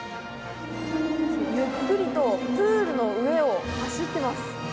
ゆっくりと、プールの上を走ってます。